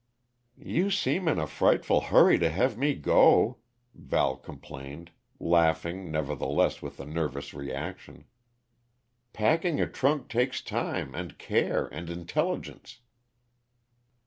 "You seem in a frightful hurry to have me go," Val complained, laughing nevertheless with the nervous reaction. "Packing a trunk takes time, and care, and intelligence."